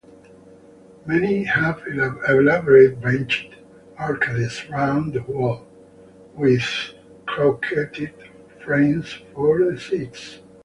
Many have elaborate benched arcades round the wall, with crocketed frames for the seats.